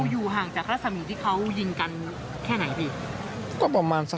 เราอยู่ห่างจากรสมีที่เขายิงกันแค่ไหนพี่